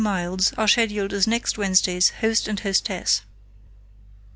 Miles are scheduled as next Wednesday's host and hostess."